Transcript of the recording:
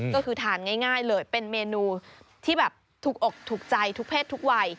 ก็คือทานง่ายเลยเป็นเมนูที่ถูกออกถูกใจถูกเพชรถูกไว